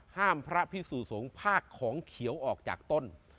ห้ามพระพี่สูสงภาคของเขียวออกจากต้น